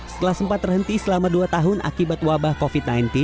setelah sempat terhenti selama dua tahun akibat wabah covid sembilan belas